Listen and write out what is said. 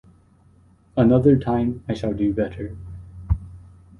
Another time I shall do better.